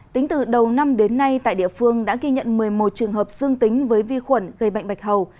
tính từ đầu năm đến nay tại địa phương đã ghi nhận một mươi một trường hợp dương tính với vi khuẩn gây bệnh bạch hầu